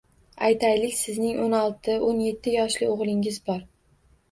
Aytaylik, sizning o'n olti o'n yetti yoshli oʻgʻlingiz bor.